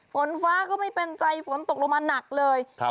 ฝนฟ้าก็ไม่เป็นใจฝนตกลงมาหนักเลย